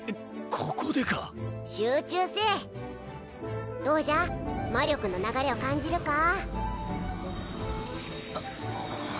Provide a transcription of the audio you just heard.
ここでか集中せいどうじゃ魔力の流れを感じるか？